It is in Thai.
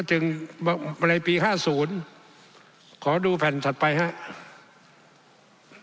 จึงในปี๕๐ขอดูแผ่นถัดไปครับ